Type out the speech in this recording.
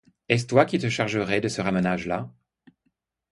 Est-ce toi qui te chargerais de ce ramonage-là?